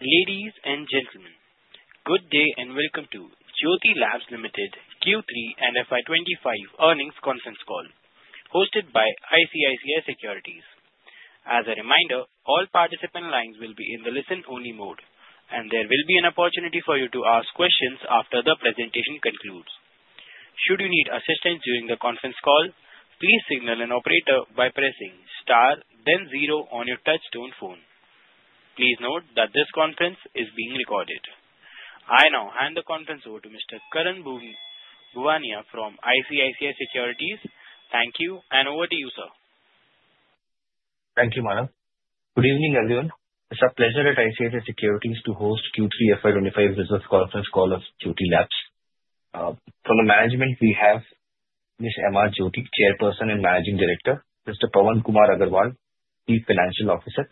Ladies and gentlemen, good day and welcome to Jyothy Labs Limited Q3 and FY 2025 earnings conference call, hosted by ICICI Securities. As a reminder, all participant lines will be in the listen-only mode, and there will be an opportunity for you to ask questions after the presentation concludes. Should you need assistance during the conference call, please signal an operator by pressing star, then zero on your touch-tone phone. Please note that this conference is being recorded. I now hand the conference over to Mr. Karan Bhuwania from ICICI Securities. Thank you, and over to you, sir. Thank you, madam. Good evening, everyone. It's a pleasure at ICICI Securities to host Q3 FY 2025 business conference call of Jyothy Labs. From the management, we have Ms. M. R. Jyothy, Chairperson and Managing Director, Mr. Pawan Kumar Agarwal, Chief Financial Officer.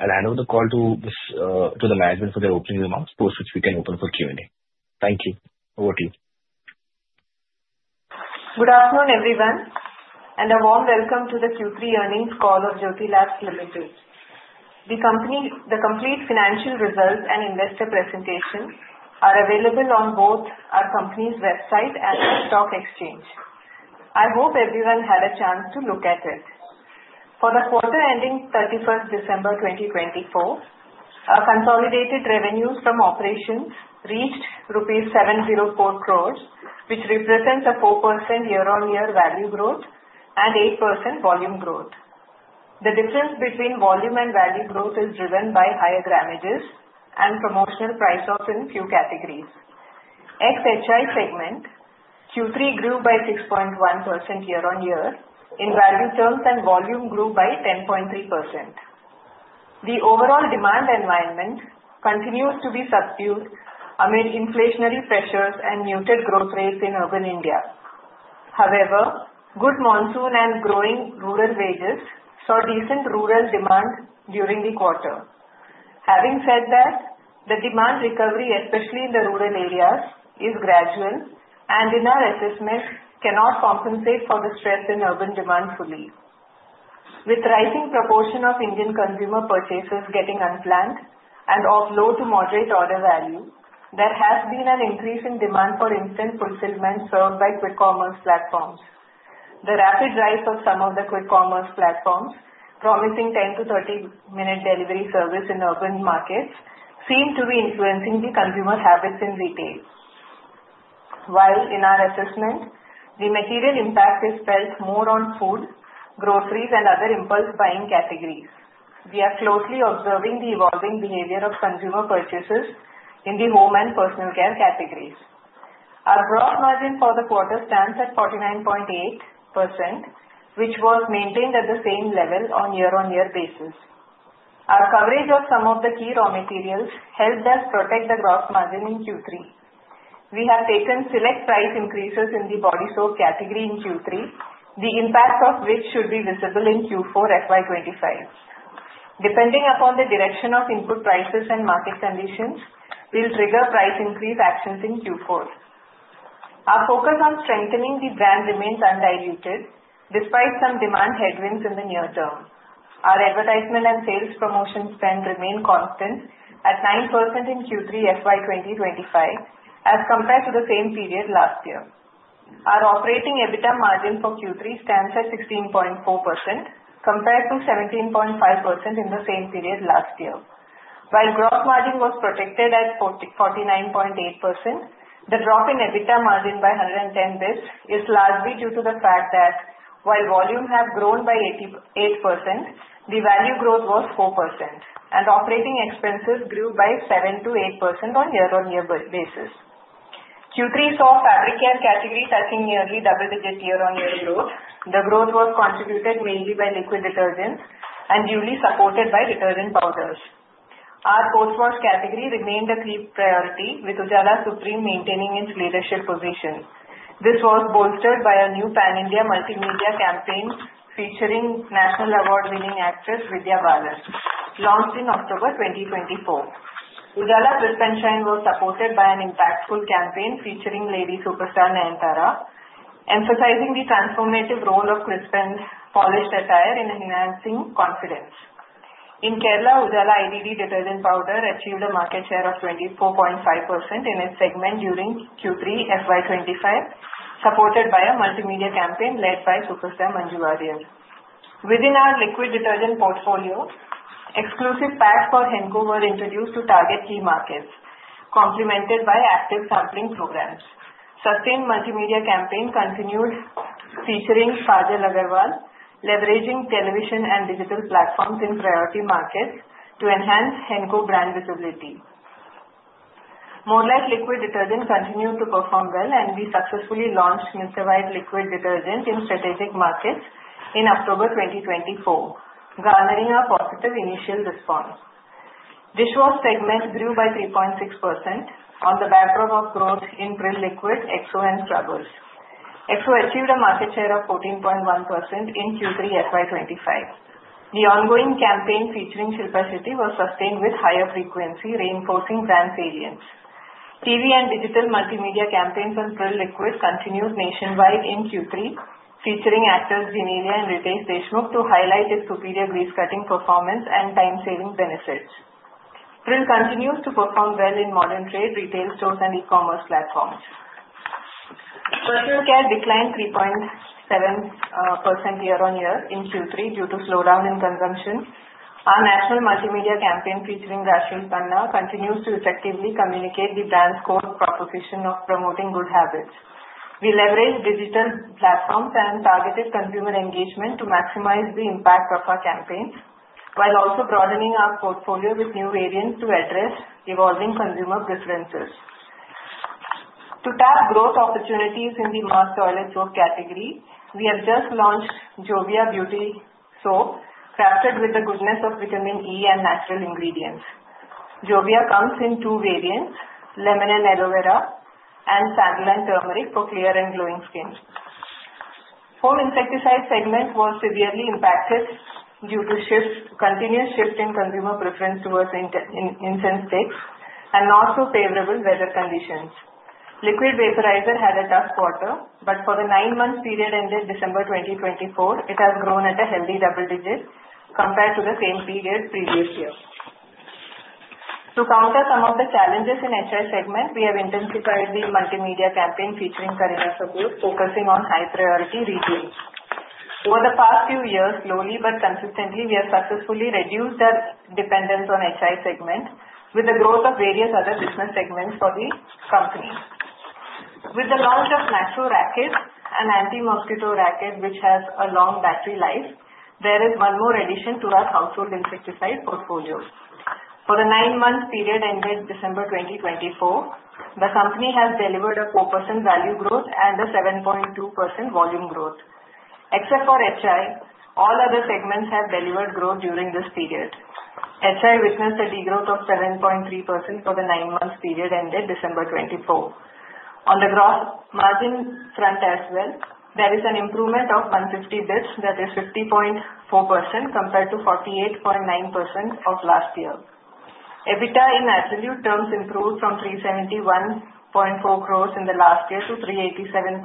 I'll hand over the call to the management for their opening remarks, post which we can open for Q&A. Thank you. Over to you. Good afternoon, everyone, and a warm welcome to the Q3 earnings call of Jyothy Labs Limited. The complete financial results and investor presentations are available on both our company's website and the stock exchange. I hope everyone had a chance to look at it. For the quarter ending 31st December 2024, consolidated revenues from operations reached rupees 704 crore, which represents a 4% year-on-year value growth and 8% volume growth. The difference between volume and value growth is driven by higher grammages and promotional price-off in a few categories. Ex-HI segment Q3 grew by 6.1% year-on-year in value terms and volume grew by 10.3%. The overall demand environment continues to be subdued amid inflationary pressures and muted growth rates in urban India. However, good monsoon and growing rural wages saw decent rural demand during the quarter. Having said that, the demand recovery, especially in the rural areas, is gradual, and in our assessment, cannot compensate for the stress in urban demand fully. With the rising proportion of Indian consumer purchases getting unplanned and of low to moderate order value, there has been an increase in demand for instant fulfillment served by quick commerce platforms. The rapid rise of some of the quick commerce platforms, promising 10 to 30-minute delivery service in urban markets, seems to be influencing the consumer habits in retail. While in our assessment, the material impact is felt more on food, groceries, and other impulse buying categories, we are closely observing the evolving behavior of consumer purchases in the home and personal care categories. Our gross margin for the quarter stands at 49.8%, which was maintained at the same level on a year-on-year basis. Our coverage of some of the key raw materials helped us protect the gross margin in Q3. We have taken select price increases in the body soap category in Q3, the impact of which should be visible in Q4 FY 2025. Depending upon the direction of input prices and market conditions, we'll trigger price increase actions in Q4. Our focus on strengthening the brand remains undiluted, despite some demand headwinds in the near term. Our advertisement and sales promotion spend remain constant at 9% in Q3 FY 2025 as compared to the same period last year. Our operating EBITDA margin for Q3 stands at 16.4% compared to 17.5% in the same period last year. While gross margin was protected at 49.8%, the drop in EBITDA margin by 110 bps is largely due to the fact that while volume has grown by 8%, the value growth was 4%, and operating expenses grew by 7% to 8% on a year-on-year basis. Q3 saw fabric care category touching nearly double-digit year-on-year growth. The growth was contributed mainly by liquid detergents and duly supported by detergent powders. Our post-wash category remained a key priority, with Ujjala Supreme maintaining its leadership position. This was bolstered by a new pan-India multimedia campaign featuring national award-winning actress Vidya Balan, launched in October 2024. Ujjala Crisp and Shine was supported by an impactful campaign featuring lady superstar Nayanthara, emphasizing the transformative role of crisp and polished attire in enhancing confidence. In Kerala, Ujjala IDD detergent powder achieved a market share of 24.5% in its segment during Q3 FY 2025, supported by a multimedia campaign led by superstar Manju Warrier. Within our liquid detergent portfolio, exclusive packs for Henko were introduced to target key markets, complemented by active sampling programs. Sustained multimedia campaign continued featuring Kajal Aggarwal, leveraging television and digital platforms in priority markets to enhance Henko brand visibility. More Light liquid detergent continued to perform well and we successfully launched Mr. White liquid detergent in strategic markets in October 2024, garnering a positive initial response. Dishwash segment grew by 3.6% on the backdrop of growth in Pril liquid, Exo, and Scrubz. Exo achieved a market share of 14.1% in Q3 FY 2025. The ongoing campaign featuring Shilpa Shetty was sustained with higher frequency, reinforcing brand salience. TV and digital multimedia campaigns on Pril liquid continued nationwide in Q3, featuring actors Genelia and Riteish Deshmukh to highlight its superior grease-cutting performance and time-saving benefits. Pril continues to perform well in modern trade retail stores and e-commerce platforms. Personal care declined 3.7% year-on-year in Q3 due to slowdown in consumption. Our national multimedia campaign featuring Raashii Khanna continues to effectively communicate the brand's core proposition of promoting good habits. We leverage digital platforms and targeted consumer engagement to maximize the impact of our campaigns, while also broadening our portfolio with new variants to address evolving consumer preferences. To tap growth opportunities in the mass toilet soap category, we have just launched Jovia beauty soap, crafted with the goodness of vitamin E and natural ingredients. Jovia comes in two variants: Lemon and Aloe Vera, and Sandal and Turmeric for clear and glowing skin. Household insecticide segment was severely impacted due to continuous shift in consumer preference towards insect sticks and not-so-favorable weather conditions. Liquid vaporizer had a tough quarter, but for the nine-month period ended December 2024, it has grown at a healthy double digit compared to the same period previous year. To counter some of the challenges in HI segment, we have intensified the multimedia campaign featuring Kareena Kapoor, focusing on high-priority regions. Over the past few years, slowly but consistently, we have successfully reduced our dependence on HI segment with the growth of various other business segments for the company. With the launch of Maxo Racket, an anti-mosquito racket which has a long battery life, there is one more addition to our household insecticide portfolio. For the nine-month period ended December 2024, the company has delivered a 4% value growth and a 7.2% volume growth. Except for HI, all other segments have delivered growth during this period. HI witnessed a degrowth of 7.3% for the nine-month period ended December 2024. On the gross margin front as well, there is an improvement of 150 bps, that is 50.4% compared to 48.9% of last year. EBITDA in absolute terms improved from 371.4 crores in the last year to 387.7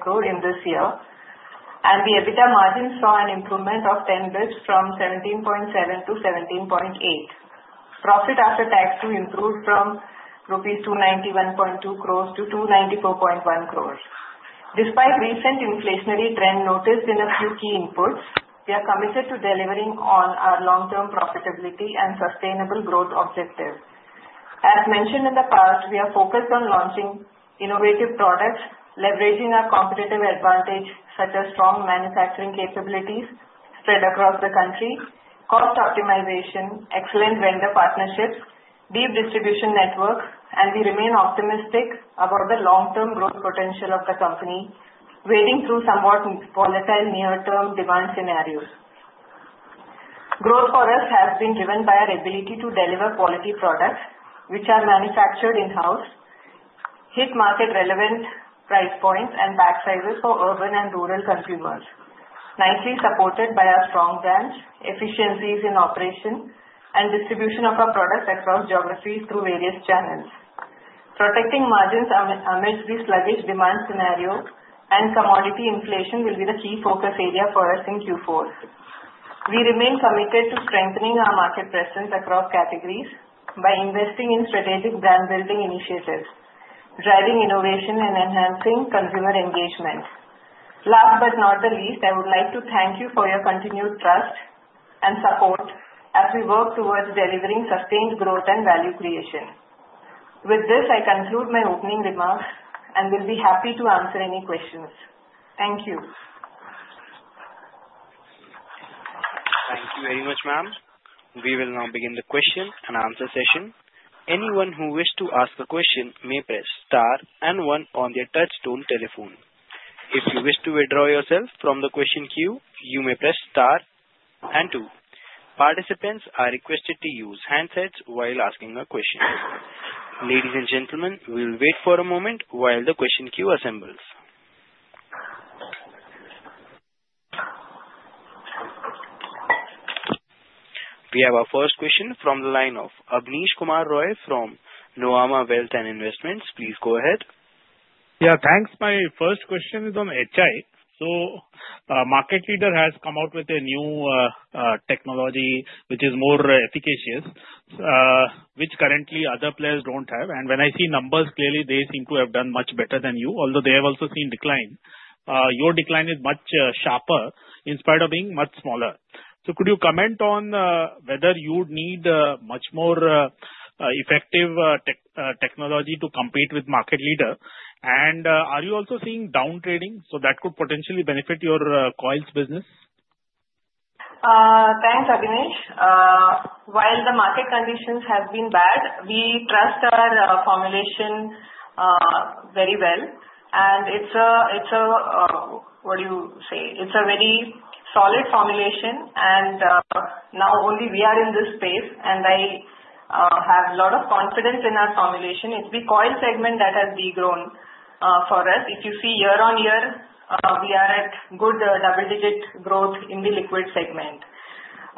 crores in this year, and the EBITDA margin saw an improvement of 10 bps from 17.7 to 17.8. Profit after tax too improved from rupees 291.2 crores to 294.1 crores. Despite recent inflationary trend noticed in a few key inputs, we are committed to delivering on our long-term profitability and sustainable growth objective. As mentioned in the past, we are focused on launching innovative products, leveraging our competitive advantage such as strong manufacturing capabilities spread across the country, cost optimization, excellent vendor partnerships, deep distribution networks, and we remain optimistic about the long-term growth potential of the company, wading through somewhat volatile near-term demand scenarios. Growth for us has been driven by our ability to deliver quality products, which are manufactured in-house, hit market-relevant price points, and pack sizes for urban and rural consumers, nicely supported by our strong brands, efficiencies in operation, and distribution of our products across geographies through various channels. Protecting margins amidst these sluggish demand scenarios and commodity inflation will be the key focus area for us in Q4. We remain committed to strengthening our market presence across categories by investing in strategic brand-building initiatives, driving innovation, and enhancing consumer engagement. Last but not the least, I would like to thank you for your continued trust and support as we work towards delivering sustained growth and value creation. With this, I conclude my opening remarks and will be happy to answer any questions. Thank you. Thank you very much, ma'am. We will now begin the question and answer session. Anyone who wishes to ask a question may press star and one on their touch-tone telephone. If you wish to withdraw yourself from the question queue, you may press star and two. Participants are requested to use handsets while asking a question. Ladies and gentlemen, we will wait for a moment while the question queue assembles. We have our first question from the line of Abneesh Kumar Roy from Nuvama Wealth and Investments. Please go ahead. Yeah, thanks. My first question is on H2. So a market leader has come out with a new technology, which is more efficacious, which currently other players don't have. And when I see numbers clearly, they seem to have done much better than you, although they have also seen decline. Your decline is much sharper in spite of being much smaller. So could you comment on whether you need much more effective technology to compete with market leaders? And are you also seeing downtrading? So that could potentially benefit your coils business. Thanks, Abneesh. While the market conditions have been bad, we trust our formulation very well, and it's a, what do you say? It's a very solid formulation, and now only we are in this space, and I have a lot of confidence in our formulation. It's the coil segment that has grown for us. If you see year-on-year, we are at good double-digit growth in the liquid segment.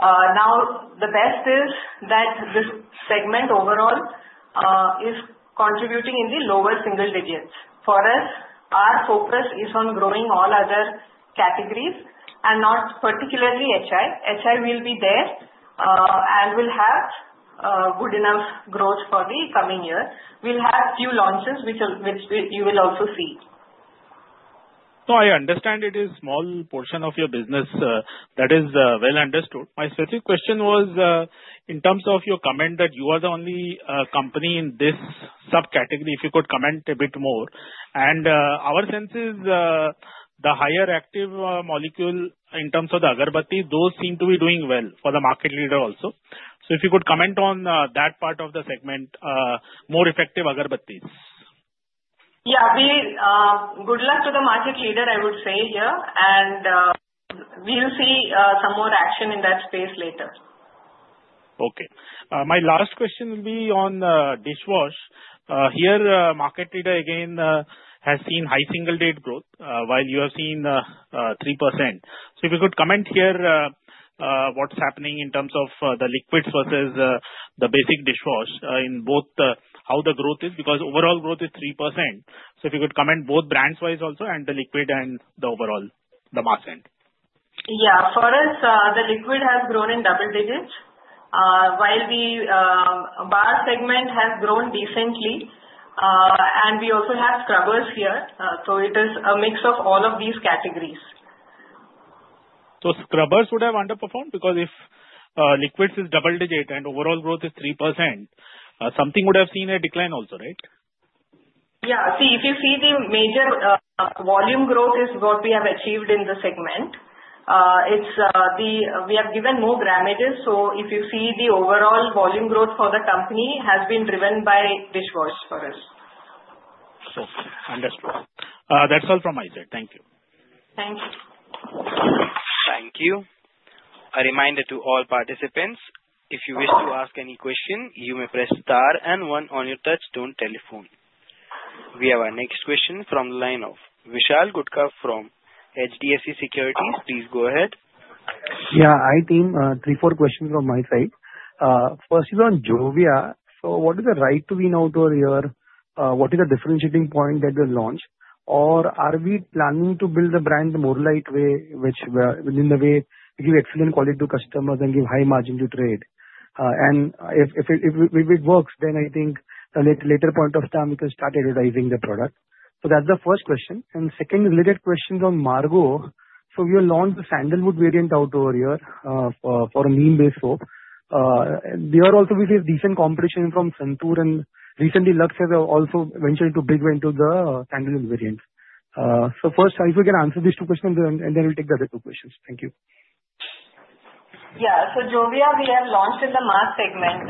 Now, the best is that this segment overall is contributing in the lower single digits. For us, our focus is on growing all other categories and not particularly HI. HI will be there and will have good enough growth for the coming year. We'll have a few launches, which you will also see. So I understand it is a small portion of your business. That is well understood. My specific question was in terms of your comment that you are the only company in this subcategory, if you could comment a bit more. And our sense is the higher active molecule in terms of the agarbatti, those seem to be doing well for the market leader also. So if you could comment on that part of the segment, more effective agarbatti. Yeah, good luck to the market leader, I would say here. And we'll see some more action in that space later. Okay. My last question will be on dishwash. Here, market leader again has seen high single-digit growth while you have seen 3%. So if you could comment here what's happening in terms of the liquids versus the basic dishwash in both how the growth is, because overall growth is 3%. So if you could comment both brands-wise also and the liquid and the overall, the mass end. Yeah, for us, the liquid has grown in double digits, while the bar segment has grown decently. And we also have scrubbers here. So it is a mix of all of these categories. So scrubbers would have underperformed because if liquids is double-digit and overall growth is 3%, something would have seen a decline also, right? Yeah. See, if you see the major volume growth is what we have achieved in the segment. We have given more grammages. So if you see the overall volume growth for the company has been driven by dishwash for us. Okay. Understood. That's all from my side. Thank you. Thank you. Thank you. A reminder to all participants, if you wish to ask any question, you may press star and one on your touchtone telephone. We have our next question from the line of Vishal Gutka from HDFC Securities. Please go ahead. Yeah, I think three, four questions from my side. First is on Jovia. So what is the right to win out over here? What is the differentiating point that we launch? Or are we planning to build the brand more lightweight, which in the way give excellent quality to customers and give high margin to trade? And if it works, then I think at a later point of time, we can start advertising the product. So that's the first question. And second related question on Margo. So we have launched the Sandalwood variant out over here for a neem-based soap. There are also decent competition from Santoor and recently Lux have also ventured in a big way into the Sandalwood variant. So first, if you can answer these two questions, and then we'll take the other two questions. Thank you. Yeah. So Jovia, we have launched in the mass segment,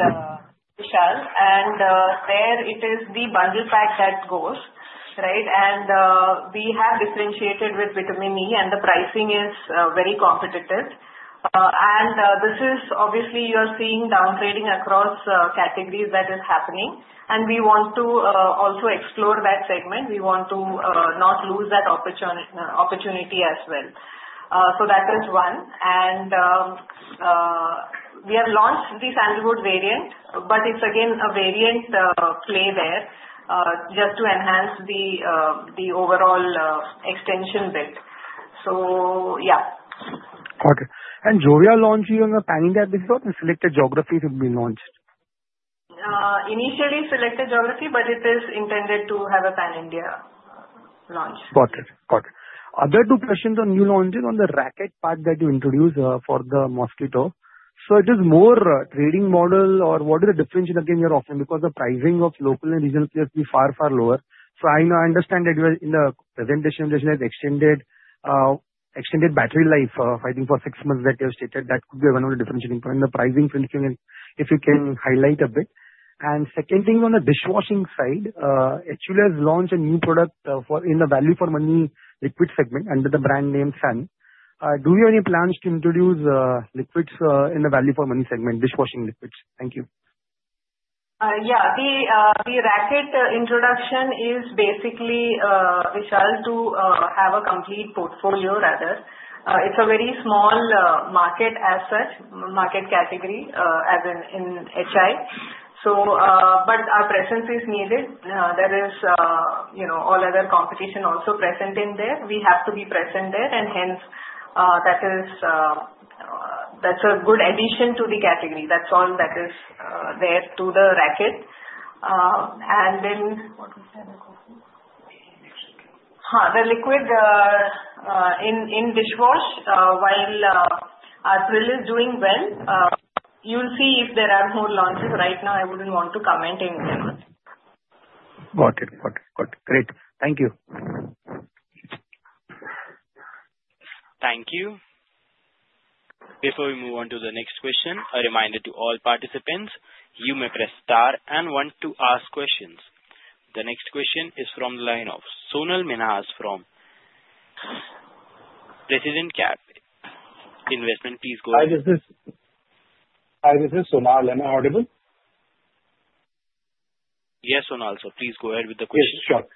Vishal. And there it is, the bundle pack that goes, right? And we have differentiated with vitamin E, and the pricing is very competitive. And this is obviously you are seeing downtrading across categories that is happening. And we want to also explore that segment. We want to not lose that opportunity as well. So that is one. And we have launched the Sandalwood variant, but it's again a variant play there just to enhance the overall extension bit. So yeah. Okay, and Jovia launched here on the Pan India basis and selected geographies have been launched. Initially selected geography, but it is intended to have a Pan India launch. Got it. Got it. Other two questions on new launches on the Maxo Racket that you introduced for the mosquito. So it is modern trade model or what is the differentiation again you're offering because the pricing of local and regional players will be far, far lower. So I understand that in the presentation, there's extended battery life, I think for six months that you have stated. That could be one of the differentiating points in the pricing principle if you can highlight a bit. And second thing on the dishwashing side, HUL has launched a new product in the value for money liquid segment under the brand name Sun. Do you have any plans to introduce liquids in the value for money segment, dishwashing liquids? Thank you. Yeah. The racket introduction is basically, Vishal, to have a complete portfolio rather. It's a very small market segment, market category as it is here. But our presence is needed. There is all other competition also present in there. We have to be present there. And hence, that's a good addition to the category. That's all that is there to the racket. And then what was the other question? The liquid in dishwash, while our Pril is doing well, you'll see if there are more launches right now. I wouldn't want to comment anything on it. Got it. Got it. Got it. Great. Thank you. Thank you. Before we move on to the next question, a reminder to all participants, you may press star and one to ask questions. The next question is from the line of Sonal Minhas from Prescient Capital. Please go ahead. Hi, this is Sonal. Am I audible? Yes, Sonal. So please go ahead with the question. Yes, sure.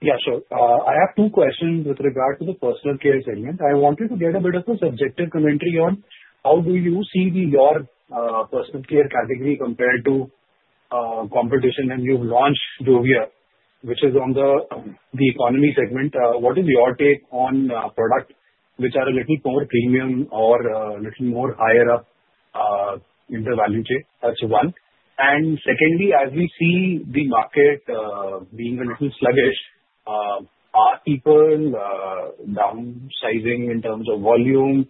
Yeah. So I have two questions with regard to the personal care segment. I wanted to get a bit of a subjective commentary on how do you see your personal care category compared to competition when you've launched Jovia, which is on the economy segment. What is your take on products which are a little more premium or a little more higher up in the value chain? That's one. And secondly, as we see the market being a little sluggish, are people downsizing in terms of volume?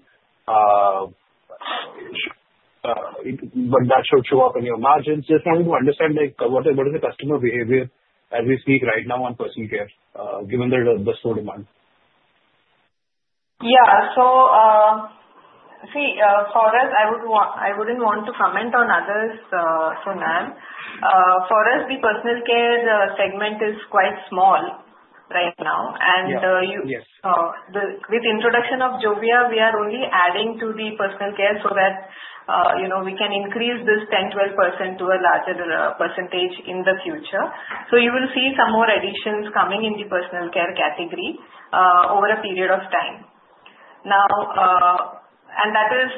But that should show up in your margins. Just wanted to understand what is the customer behavior as we speak right now on personal care, given there is slow demand. Yeah. So see, for us, I wouldn't want to comment on others, Sonal. For us, the personal care segment is quite small right now. And with the introduction of Jovia, we are only adding to the personal care so that we can increase this 10% to 12% to a larger percentage in the future. So you will see some more additions coming in the personal care category over a period of time. And that is,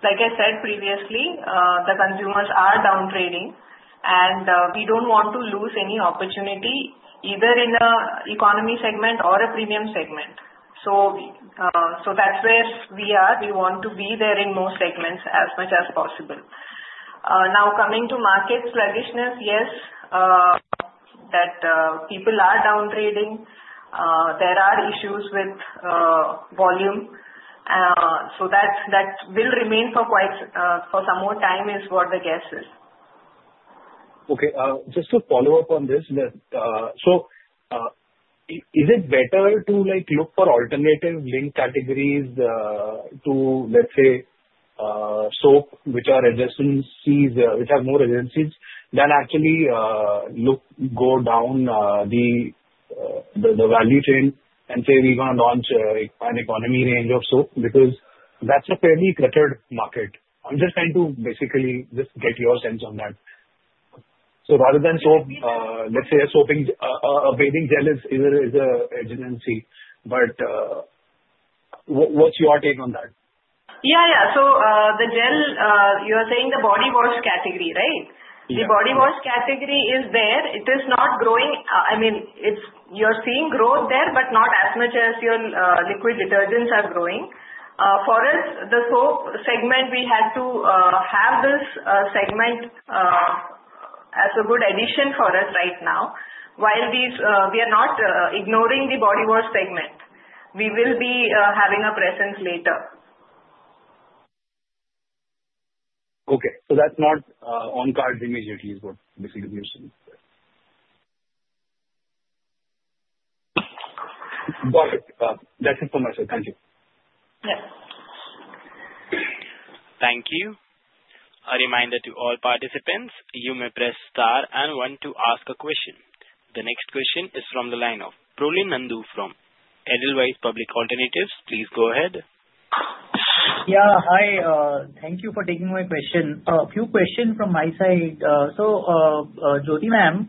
like I said previously, the consumers are downtrading. And we don't want to lose any opportunity either in an economy segment or a premium segment. So that's where we are. We want to be there in most segments as much as possible. Now, coming to market sluggishness, yes, that people are downtrading. There are issues with volume. So that will remain for some more time is what the guess is. Okay. Just to follow up on this, so is it better to look for alternative link categories to, let's say, soap which have more resiliency than actually go down the value chain and say, "We're going to launch an economy range of soap," because that's a fairly cluttered market? I'm just trying to basically just get your sense on that. So rather than soap, let's say a bathing gel is a resiliency. But what's your take on that? Yeah, yeah. So the gel, you're saying the body wash category, right? The body wash category is there. It is not growing. I mean, you're seeing growth there, but not as much as your liquid detergents are growing. For us, the soap segment, we had to have this segment as a good addition for us right now. While we are not ignoring the body wash segment, we will be having a presence later. Okay. So that's not on the cards immediately is what basically you're saying. Got it. That's it from my side. Thank you. Yeah. Thank you. A reminder to all participants, you may press star and one to ask a question. The next question is from the line of Prolin Nandu from Edelweiss Public Alternatives. Please go ahead. Yeah. Hi. Thank you for taking my question. A few questions from my side. So Jyothy Labs,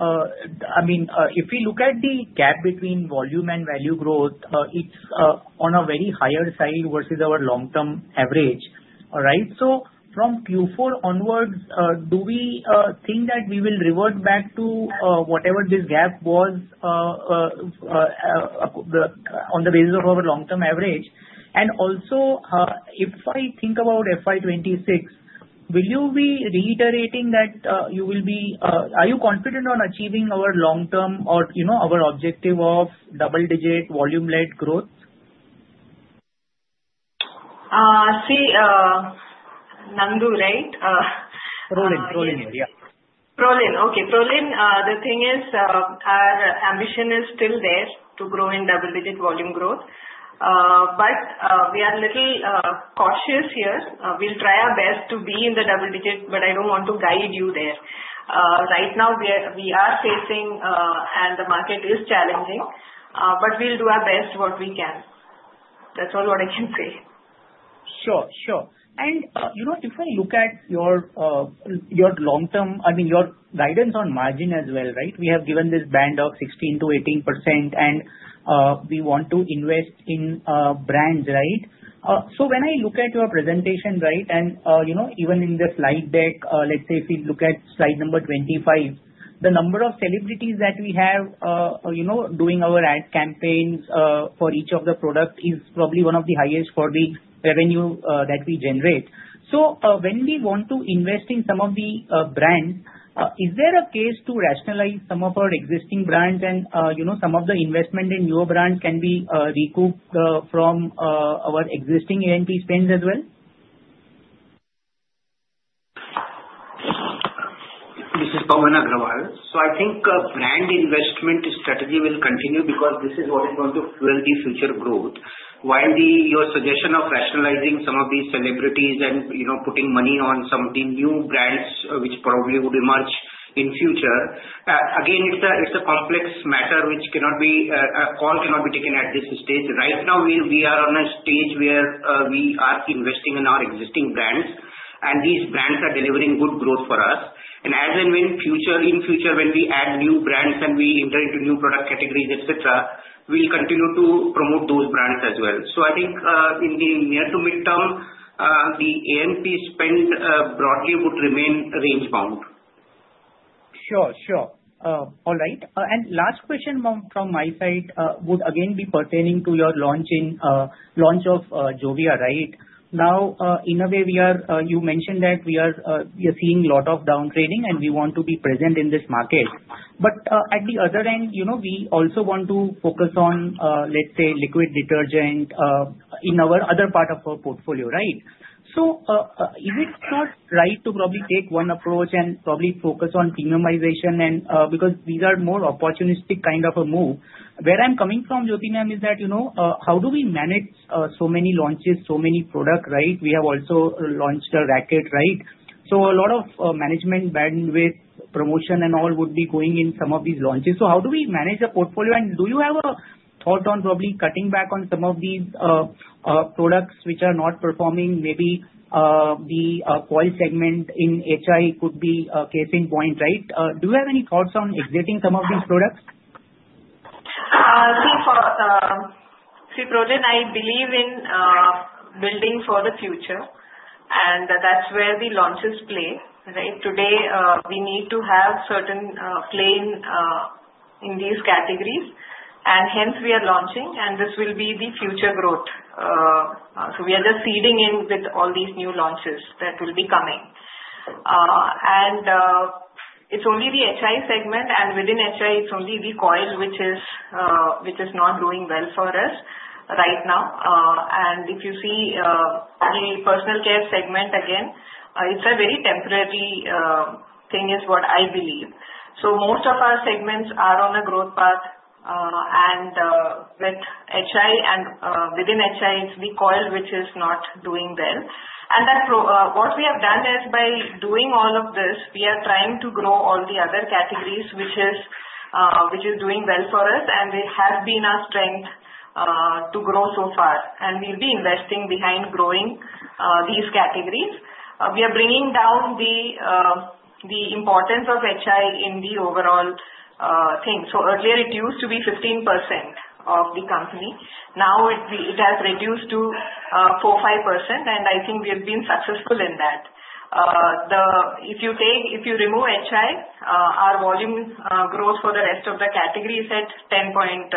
I mean, if we look at the gap between volume and value growth, it's on a very higher side versus our long-term average, right? So from Q4 onwards, do we think that we will revert back to whatever this gap was on the basis of our long-term average? And also, if I think about FY 2026, will you be reiterating that you will be—are you confident on achieving our long-term or our objective of double-digit volume-led growth? See, Nandu, right? Prolin, Prolin, yeah. Prolin. Okay. Prolin, the thing is our ambition is still there to grow in double-digit volume growth. But we are a little cautious here. We'll try our best to be in the double-digit, but I don't want to guide you there. Right now, we are facing, and the market is challenging, but we'll do our best what we can. That's all what I can say. Sure, sure. And if I look at your long-term, I mean, your guidance on margin as well, right? We have given this band of 16% to 18%, and we want to invest in brands, right? So when I look at your presentation, right, and even in the slide deck, let's say if we look at slide number 25, the number of celebrities that we have doing our ad campaigns for each of the products is probably one of the highest for the revenue that we generate. So when we want to invest in some of the brands, is there a case to rationalize some of our existing brands and some of the investment in newer brands can be recouped from our existing ANP spends as well? This is Pawan Agarwal. So I think brand investment strategy will continue because this is what is going to fuel the future growth. While your suggestion of rationalizing some of these celebrities and putting money on some of the new brands which probably would emerge in future, again, it's a complex matter which cannot be taken at this stage. Right now, we are on a stage where we are investing in our existing brands, and these brands are delivering good growth for us. And as and when in future, when we add new brands and we enter into new product categories, etc., we'll continue to promote those brands as well. So I think in the near to midterm, the ANP spend broadly would remain range-bound. Sure, sure. All right. And last question from my side would again be pertaining to your launch of Jovia, right? Now, in a way, you mentioned that we are seeing a lot of downtrading, and we want to be present in this market. But at the other end, we also want to focus on, let's say, liquid detergent in our other part of our portfolio, right? So is it not right to probably take one approach and probably focus on premiumization because these are more opportunistic kind of a move? Where I'm coming from, Jyothy Labs, is that how do we manage so many launches, so many products, right? We have also launched a racket, right? So a lot of management bandwidth, promotion, and all would be going in some of these launches. So how do we manage the portfolio? Do you have a thought on probably cutting back on some of these products which are not performing? Maybe the coil segment in HI could be a case in point, right? Do you have any thoughts on exiting some of these products? See, Prolin, I believe in building for the future, and that's where the launches play. Today, we need to have certain play in these categories, and hence we are launching, and this will be the future growth. We are just seeding in with all these new launches that will be coming. It's only the HI segment, and within HI, it's only the coil which is not doing well for us right now. If you see the personal care segment again, it's a very temporary thing, is what I believe. Most of our segments are on a growth path, and within HI, it's the coil which is not doing well. What we have done is by doing all of this, we are trying to grow all the other categories which is doing well for us, and they have been our strength to grow so far. And we'll be investing behind growing these categories. We are bringing down the importance of HI in the overall thing. So earlier, it used to be 15% of the company. Now, it has reduced to 4% to 5%, and I think we have been successful in that. If you remove HI, our volume growth for the rest of the category is at 10+%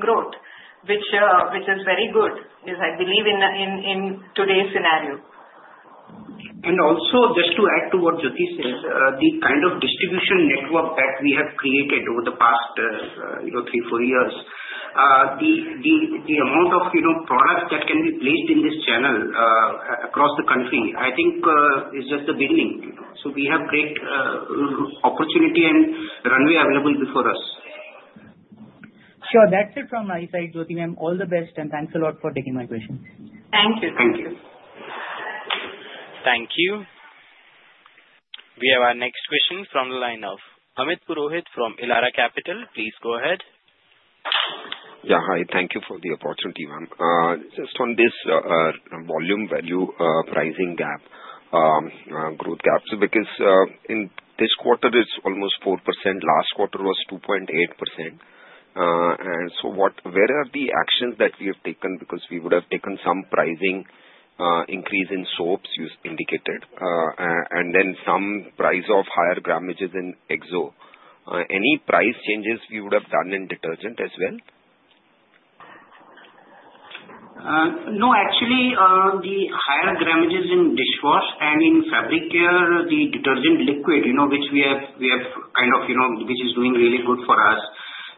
growth, which is very good, I believe, in today's scenario. And also, just to add to what Jyothy said, the kind of distribution network that we have created over the past three, four years, the amount of products that can be placed in this channel across the country, I think, is just the beginning. So we have great opportunity and runway available before us. Sure. That's it from my side, Jyothy Labs. All the best, and thanks a lot for taking my questions. Thank you. Thank you. Thank you. We have our next question from the line of Amit Purohit from Elara Capital. Please go ahead. Yeah. Hi. Thank you for the opportunity, ma'am. Just on this volume value pricing gap, growth gap, because in this quarter, it's almost 4%. Last quarter was 2.8%. And so where are the actions that we have taken? Because we would have taken some pricing increase in soaps you indicated, and then some price of higher grammages in Exo. Any price changes we would have done in detergent as well? No, actually, the higher grammages in dishwash and in fabric care, the detergent liquid, which is doing really good for us.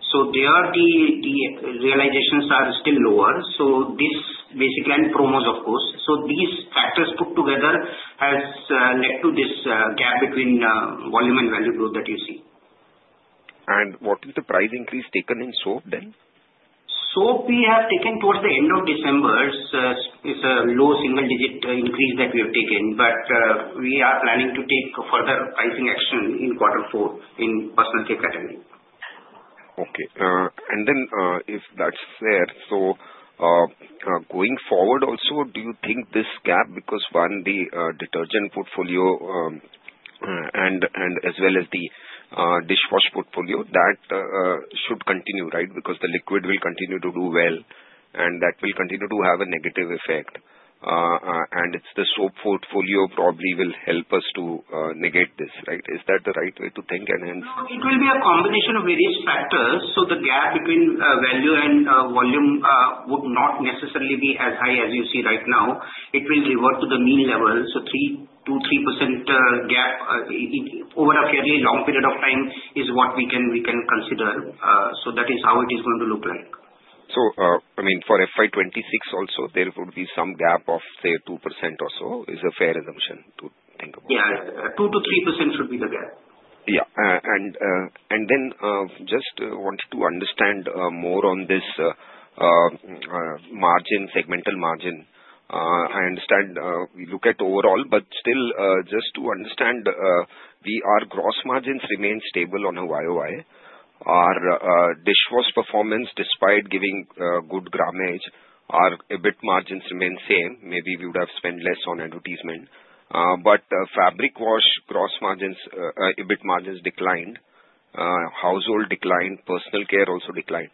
So there, the realizations are still lower. So this basically and promos, of course. So these factors put together has led to this gap between volume and value growth that you see. What is the price increase taken in soap then? Soap, we have taken towards the end of December. It's a low single-digit increase that we have taken, but we are planning to take further pricing action in quarter four in personal care category. Okay. And then if that's fair, so going forward also, do you think this gap, because one, the detergent portfolio and as well as the dishwash portfolio, that should continue, right? Because the liquid will continue to do well, and that will continue to have a negative effect. And it's the soap portfolio probably will help us to negate this, right? Is that the right way to think and hence? It will be a combination of various factors. So the gap between value and volume would not necessarily be as high as you see right now. It will revert to the mean level. So 2% to 3% gap over a fairly long period of time is what we can consider. So that is how it is going to look like. So I mean, for FY 2026 also, there would be some gap of, say, 2% or so. Is a fair assumption to think about? Yeah. 2% to 3% should be the gap. Yeah. Then I just want to understand more on this margin, segmental margin. I understand we look at overall, but still, just to understand, our gross margins remain stable on a YoY. Our dishwash performance, despite giving good grammage, our EBIT margins remain same. Maybe we would have spent less on advertisement. But fabric wash gross margins, EBIT margins declined. Household declined. Personal care also declined.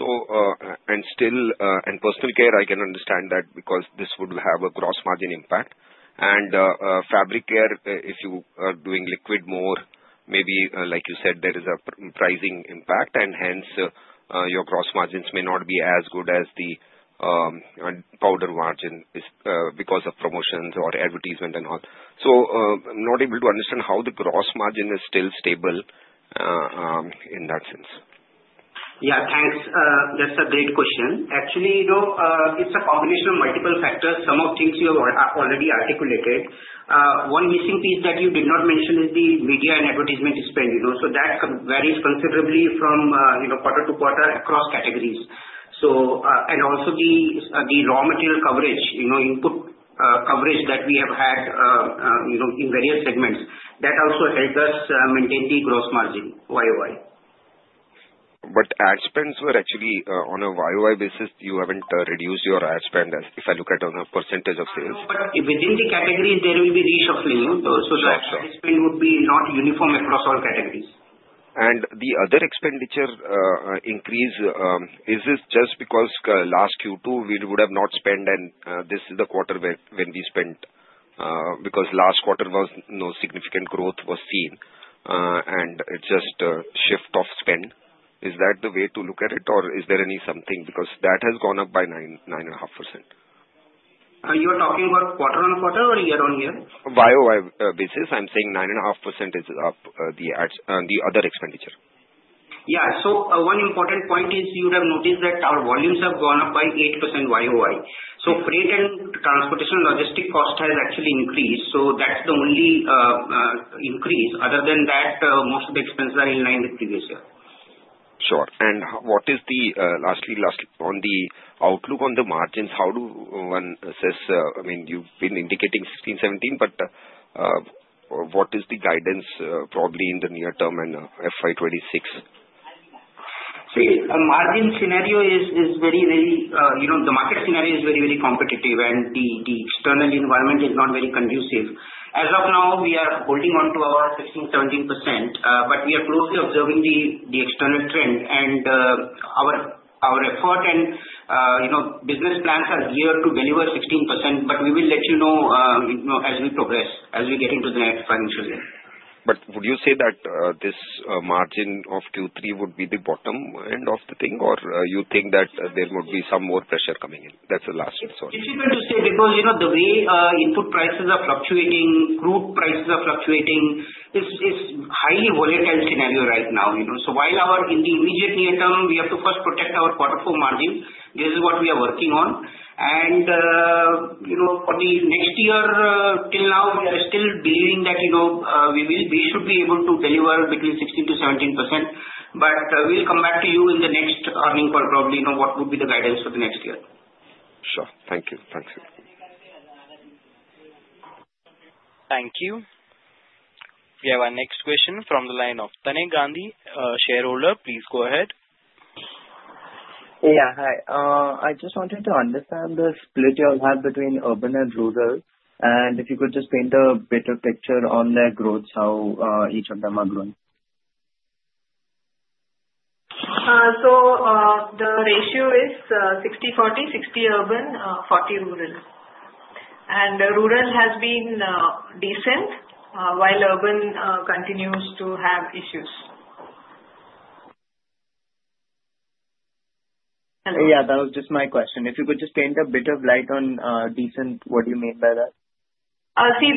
And personal care, I can understand that because this would have a gross margin impact. And fabric care, if you are doing liquid more, maybe, like you said, there is a pricing impact, and hence your gross margins may not be as good as the powder margin because of promotions or advertisement and all. So I'm not able to understand how the gross margin is still stable in that sense. Yeah. Thanks. That's a great question. Actually, it's a combination of multiple factors. Some of the things you have already articulated. One missing piece that you did not mention is the media and advertisement spend. So that varies considerably from quarter to quarter across categories. And also the raw material coverage, input coverage that we have had in various segments. That also helped us maintain the gross margin YoY. But ad spends were actually on a YoY basis. You haven't reduced your ad spend, as if I look at on a percentage of sales. But within the categories, there will be reshuffling. So the ad spend would be not uniform across all categories. The other expenditure increase, is this just because last Q2 we would have not spent, and this is the quarter when we spent because last quarter was no significant growth was seen, and it's just a shift of spend? Is that the way to look at it, or is there anything because that has gone up by 9.5%? Are you talking about quarter on quarter or year on year? YoY basis. I'm saying 9.5% is up the other expenditure. Yeah, so one important point is you would have noticed that our volumes have gone up by 8% YoY, so freight and transportation logistics cost has actually increased, so that's the only increase. Other than that, most of the expenses are in line with previous year. Sure. And lastly on the outlook on the margins, how does one assess? I mean, you've been indicating 16%, 17%, but what is the guidance probably in the near term and FY 2026? See, the margin scenario is very, very competitive, and the market scenario is very, very competitive, and the external environment is not very conducive. As of now, we are holding on to our 16%, 17%, but we are closely observing the external trend, and our effort and business plans are geared to deliver 16%, but we will let you know as we progress, as we get into the next financial year. But would you say that this margin of Q3 would be the bottom end of the thing, or you think that there would be some more pressure coming in? That's the last resort. Difficult to say because the way input prices are fluctuating, crude prices are fluctuating, it's a highly volatile scenario right now. So while in the immediate near term, we have to first protect our quarter four margin, this is what we are working on, and for the next year, till now, we are still believing that we should be able to deliver between 16% and 17%, but we'll come back to you in the next earnings call probably what would be the guidance for the next year. Sure. Thank you. Thanks. Thank you. We have our next question from the line of Tanay Gandhi, shareholder. Please go ahead. Yeah. Hi. I just wanted to understand the split you all have between urban and rural, and if you could just paint a better picture on their growth, how each of them are growing? So the ratio is 60/40, 60 urban, 40 rural. And rural has been decent while urban continues to have issues. Yeah. That was just my question. If you could just shed a bit of light on decent, what do you mean by that? See,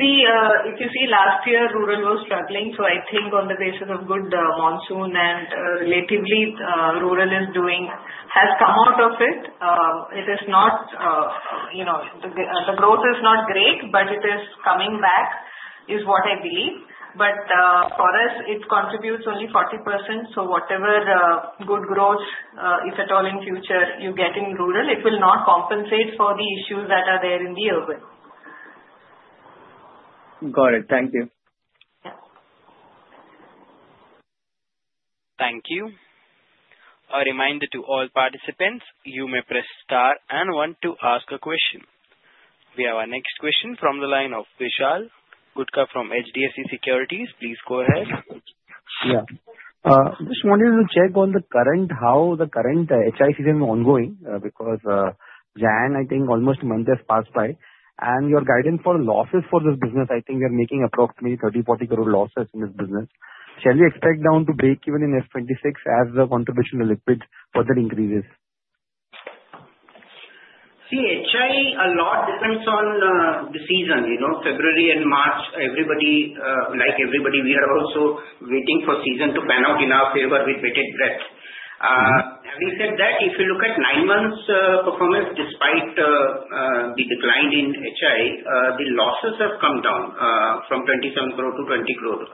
if you see last year, rural was struggling. So I think on the basis of good monsoon and, relatively, rural has come out of it. It is not. The growth is not great, but it is coming back is what I believe. But for us, it contributes only 40%. So whatever good growth, if at all in future, you get in rural, it will not compensate for the issues that are there in the urban. Got it. Thank you. Thank you. A reminder to all participants, you may press star one to ask a question. We have our next question from the line of Vishal Gutka from HDFC Securities. Please go ahead. Yeah. Just wanted to check on the current HI season is ongoing because January, I think, almost a month has passed by. And your guidance for losses for this business, I think we are making approximately 30 to 40 crore losses in this business. Shall we expect down to break even in FY 2026 as the contribution to liquid further increases? See, HI, a lot depends on the season. February and March, like everybody, we are also waiting for the season to pan out in our favor with bated breath. Having said that, if you look at nine months performance, despite the decline in HI, the losses have come down from 27 crore to 20 crore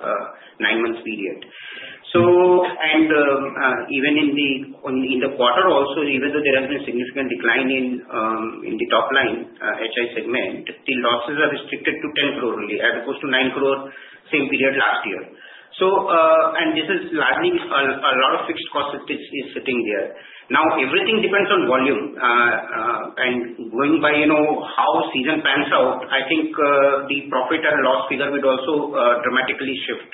nine months period. And even in the quarter also, even though there has been a significant decline in the top line HI segment, the losses are restricted to 10 crore only as opposed to nine crore same period last year. And this is largely a lot of fixed costs that is sitting there. Now, everything depends on volume. And going by how the season pans out, I think the profit and loss figure would also dramatically shift.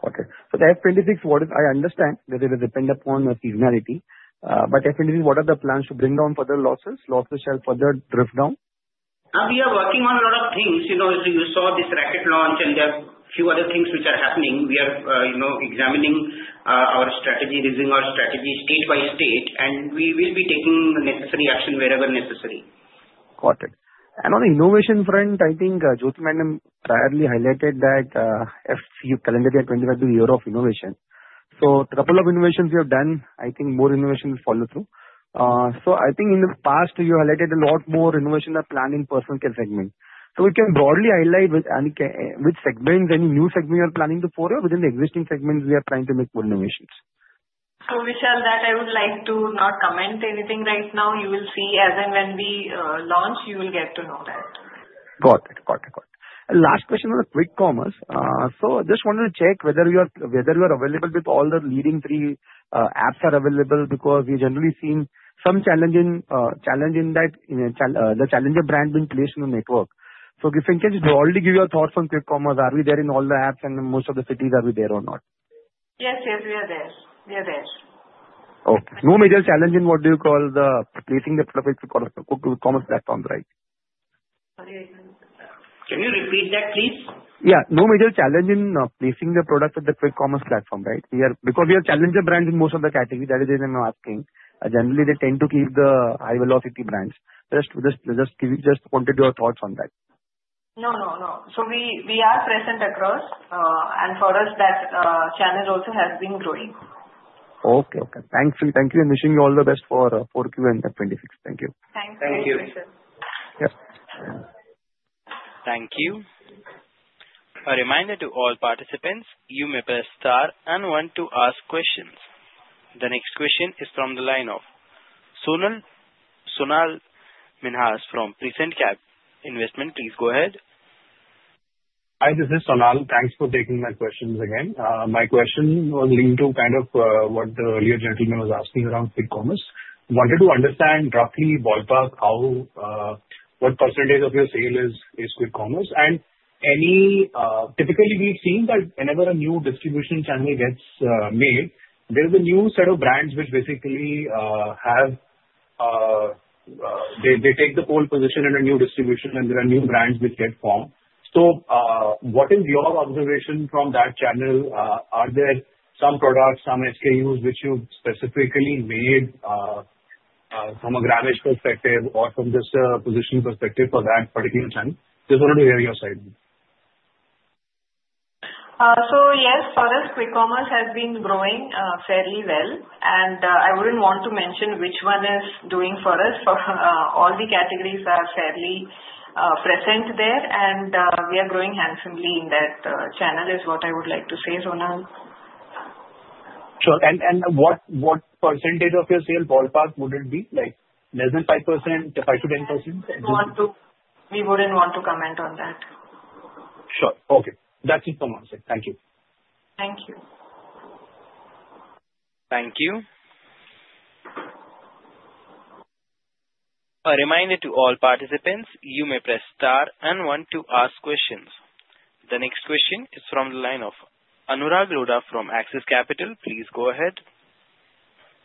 Okay. The FY 2026, I understand that it will depend upon the seasonality. But FY 2026, what are the plans to bring down further losses? Losses shall further drift down? We are working on a lot of things. As you saw, this racket launch and there are a few other things which are happening. We are examining our strategy, using our strategy state by state, and we will be taking the necessary action wherever necessary. Got it. And on the innovation front, I think Jyothy Madam previously highlighted that your calendar year 2022 year of innovation. So a couple of innovations we have done. I think more innovation will follow through. So I think in the past, you highlighted a lot more innovation are planned in personal care segment. So we can broadly highlight which segments, any new segment you are planning to foray or within the existing segments, we are trying to make more innovations. Vishal, that I would like to not comment anything right now. You will see as and when we launch, you will get to know that. Got it. Got it. Got it. Last question on the quick commerce. So just wanted to check whether you are available with all the leading three apps that are available because we generally seen some challenge in that the challenger brand being placed in the network. So if you can, just broadly give your thoughts on quick commerce. Are we there in all the apps and most of the cities are we there or not? Yes, yes, we are there. We are there. Okay. No major challenge in what do you call the placing the product with Quick Commerce platforms, right? Can you repeat that, please? Yeah. No major challenge in placing the product at the quick commerce platform, right? Because we are challenger brands in most of the category, that is why I'm asking. Generally, they tend to keep the high velocity brands. Just wanted your thoughts on that. No, no, no. So we are present across, and for us, that challenge also has been growing. Okay. Okay. Thank you. Thank you. And wishing you all the best for Q4 FY 2026. Thank you. Thank you. Thank you. Thank you. A reminder to all participants, you may press star and want to ask questions. The next question is from the line of Sonal Minhas from Prescient Capital. Please go ahead. Hi, this is Sonal. Thanks for taking my questions again. My question was linked to kind of what the earlier gentleman was asking around quick commerce. Wanted to understand roughly, ballpark, what percentage of your sale is quick commerce, and typically, we've seen that whenever a new distribution channel gets made, there's a new set of brands which basically have they take the pole position in a new distribution, and there are new brands which get formed. So what is your observation from that channel? Are there some products, some SKUs which you specifically made from a grammage perspective or from just a positioning perspective for that particular channel? Just wanted to hear your side. So yes, for us, quick commerce has been growing fairly well. And I wouldn't want to mention which one is doing for us. All the categories are fairly present there, and we are growing handsomely in that channel is what I would like to say, Sonal. Sure. And what percentage of your sale, ballpark, would it be? Like less than 5%, 5% to 10%? We wouldn't want to comment on that. Sure. Okay. That's it for my side. Thank you. Thank you. Thank you. A reminder to all participants, you may press star one to ask questions. The next question is from the line of Anurag Lodha from Axis Capital. Please go ahead.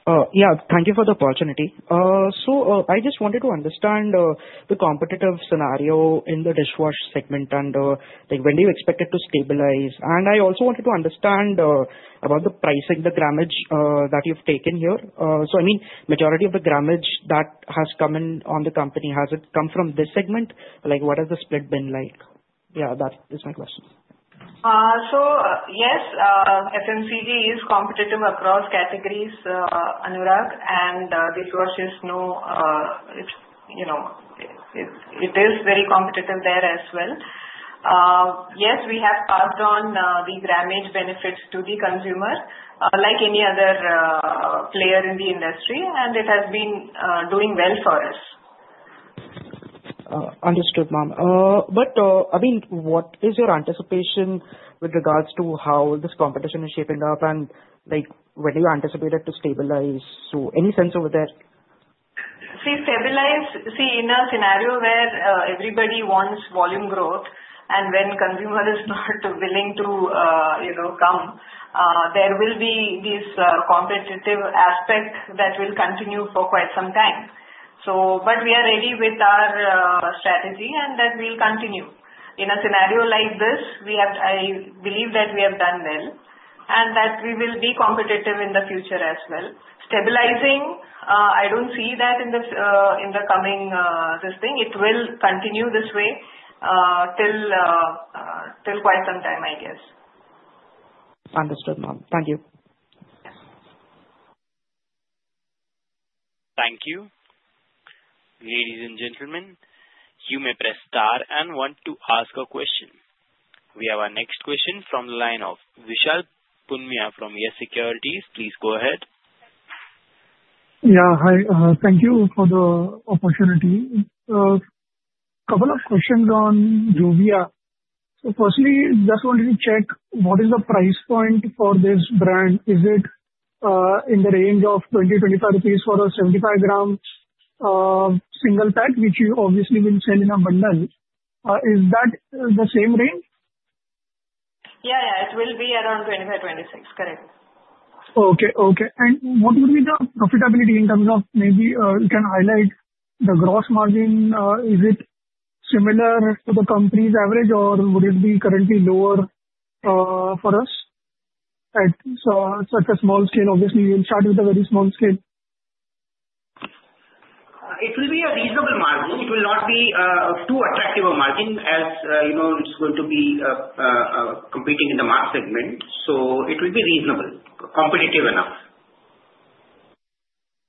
Yeah. Thank you for the opportunity, so I just wanted to understand the competitive scenario in the dishwash segment and when do you expect it to stabilize? And I also wanted to understand about the pricing, the grammage that you've taken here, so I mean, majority of the grammage that has come in on the company, has it come from this segment? What has the split been like? Yeah, that is my question. So yes, FMCG is competitive across categories, Anurag, and dishwash is no, it is very competitive there as well. Yes, we have passed on the grammage benefits to the consumer like any other player in the industry, and it has been doing well for us. Understood, ma'am. But I mean, what is your anticipation with regards to how this competition is shaping up and when do you anticipate it to stabilize? So any sense over there? In a scenario where everybody wants volume growth and when consumers are not willing to come, there will be this competitive aspect that will continue for quite some time. But we are ready with our strategy and that we'll continue. In a scenario like this, I believe that we have done well and that we will be competitive in the future as well. Stabilizing, I don't see that in the coming this thing. It will continue this way till quite some time, I guess. Understood, ma'am. Thank you. Thank you. Ladies and gentlemen, you may press star and want to ask a question. We have our next question from the line of Vishal Punmiya from Yes Securities. Please go ahead. Yeah. Hi. Thank you for the opportunity. A couple of questions on Jovia. So firstly, just wanted to check what is the price point for this brand? Is it in the range of 20 to 25 rupees for a 75 g single pack, which you obviously have been selling in abundance? Is that the same range? Yeah, yeah. It will be around 25, 26. Correct. Okay. Okay. And what would be the profitability in terms of maybe you can highlight the gross margin? Is it similar to the company's average, or would it be currently lower for us? At such a small scale, obviously, we'll start with a very small scale. It will be a reasonable margin. It will not be too attractive a margin as it's going to be competing in the mass segment. So it will be reasonable, competitive enough.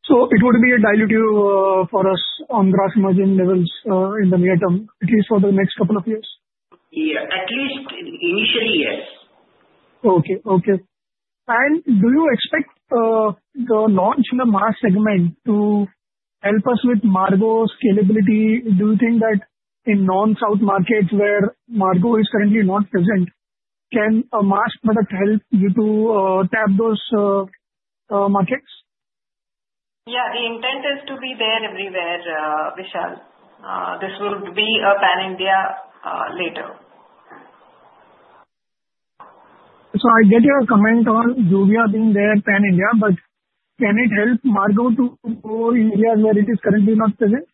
Could you elaborate for us on gross margin levels in the near term, at least for the next couple of years? Yeah. At least initially, yes. Okay. Okay. And do you expect the launch in the mass segment to help us with Margo scalability? Do you think that in non-South markets where Margo is currently not present, can a mass product help you to tap those markets? Yeah. The intent is to be there everywhere, Vishal. This will be a pan-India later. I get your comment on Jovia being there pan-India, but can it help Margo to go in areas where it is currently not present?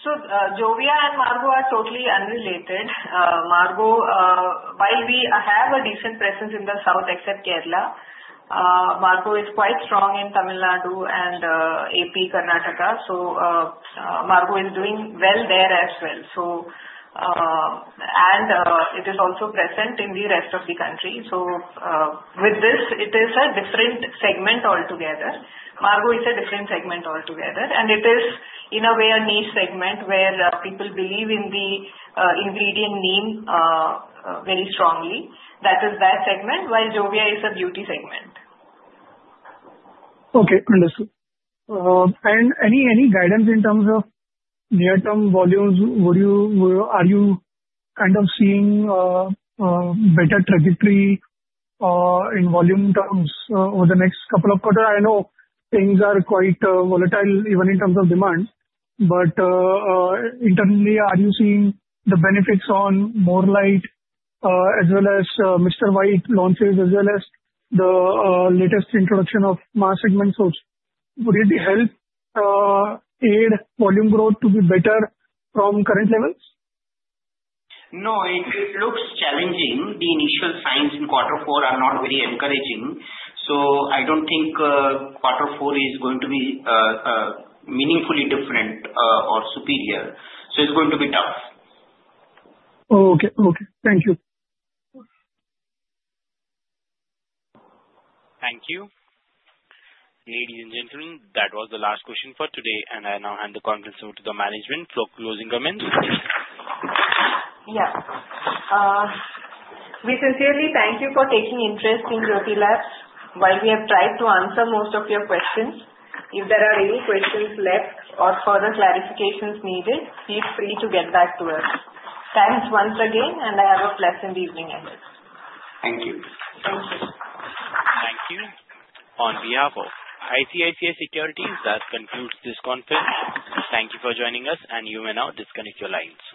Jovia and Margo are totally unrelated. Margo, while we have a decent presence in the South except Kerala, Margo is quite strong in Tamil Nadu and AP, Karnataka. So Margo is doing well there as well. And it is also present in the rest of the country. So with this, it is a different segment altogether. Margo is a different segment altogether. And it is, in a way, a niche segment where people believe in the ingredient name very strongly. That is that segment, while Jovia is a beauty segment. Okay. Understood. And any guidance in terms of near-term volumes? Are you kind of seeing a better trajectory in volume terms over the next couple of quarters? I know things are quite volatile even in terms of demand. But internally, are you seeing the benefits on More Light as well as Mr. White launches as well as the latest introduction of mass segment soaps? Would it help aid volume growth to be better from current levels? No. It looks challenging. The initial signs in quarter four are not very encouraging. So I don't think quarter four is going to be meaningfully different or superior. So it's going to be tough. Okay. Okay. Thank you. Thank you. Ladies and gentlemen, that was the last question for today. And I now hand the conference over to the management for closing comments. Yes. We sincerely thank you for taking interest in Jyothy Labs. While we have tried to answer most of your questions, if there are any questions left or further clarifications needed, feel free to get back to us. Thanks once again, and I have a blessed evening ahead. Thank you. Thank you. Thank you. On behalf of ICICI Securities, that concludes this conference. Thank you for joining us, and you may now disconnect your lines.